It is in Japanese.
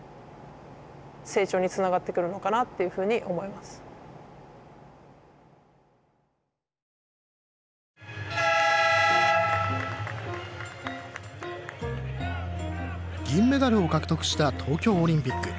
でもそういうのを銀メダルを獲得した東京オリンピック。